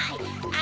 あ！